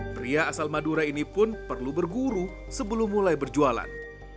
pria asal madura ini pun perlu berguru sebelum mulai berjualan